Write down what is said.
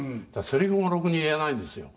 「せりふもろくに言えないんですよ」